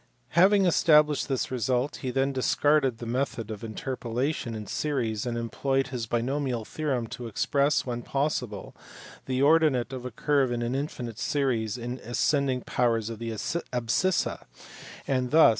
Having established this result, he then discarded the method of interpolation in series, and employed his binomial theorem to express (when possible) the ordinate of a curve in an infinite series in ascending powers of the abscissa, and thus LETTER TO LEIBNITZ, 1676.